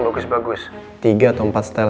bagus bagus tiga atau empat style